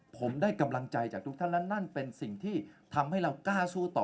ผมได้กำลังใจจากทุกท่านและนั่นเป็นสิ่งที่ทำให้เรากล้าสู้ต่อ